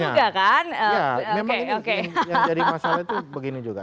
nah memang ini yang jadi masalah itu begini juga